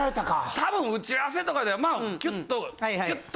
多分打ち合わせとかでまあキュッとキュッと。